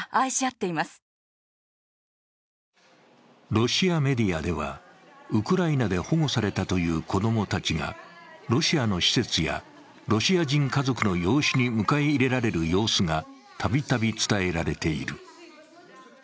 ロシアメディアでは、ウクライナで保護されたという子供たちがロシアの施設やロシア人家族の養子に迎え入れられる様子がたびたび伝えられている。